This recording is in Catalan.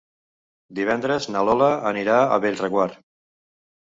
Divendres na Lola anirà a Bellreguard.